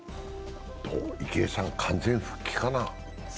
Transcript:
池江さん、完全復帰かな？